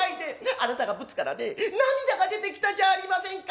あなたがぶつからね涙が出てきたじゃありませんか」。